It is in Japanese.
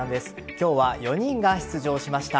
今日は４人が出場しました。